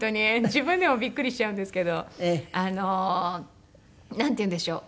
自分でもびっくりしちゃうんですけど。なんていうんでしょう。